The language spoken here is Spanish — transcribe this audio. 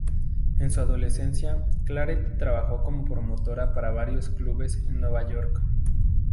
En su adolescencia, Claret trabajó como promotora para varios clubes en Nueva York.